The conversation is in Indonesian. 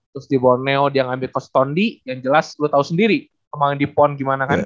terus di borneo dia ngambil cost tondi yang jelas lu tahu sendiri pemain di pon gimana kan